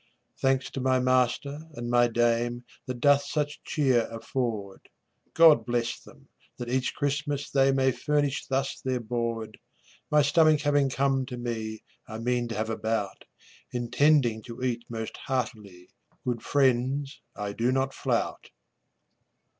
Thanks to my master and my dame That doth such cheer afford; God bless them, that each Christmas they May furnish thus their board. My stomach having come to me, I mean to have a bout, Intending to eat most heartily; Good friends, I do not flout.